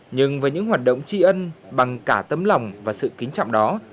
nhưng với những hoạt động tri ân bằng cả tấm lòng và sự kính trọng đó